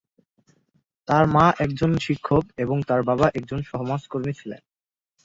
তার মা একজন শিক্ষক এবং তার বাবা একজন সমাজকর্মী ছিলেন।